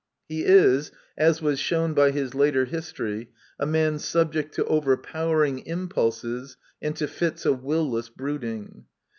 He is, as was shown by his later history, a man subject to overpowering impulses and to fits of will less brooding.